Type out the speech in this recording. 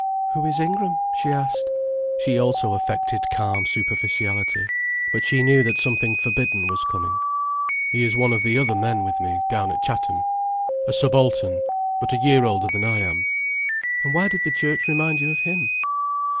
"Who is Ingram?" she asked. She also affected calm superficiality. But she knew that something forbidden was coming. "He is one of the other men with me down at Chatham—a subaltern—but a year older than I am." "And why did the church remind you of him?"